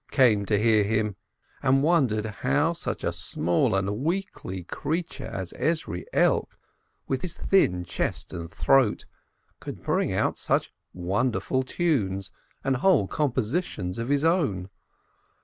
came to hear him, and wondered how such a small and weakly creature as Ezrielk, with his thin chest and throat, could bring out such wonderful tunes and whole compositions of his own